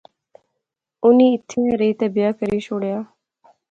انی ایتھیں ایہہ رہی تہ بیاہ کری شوڑیا